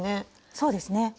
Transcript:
そうですね。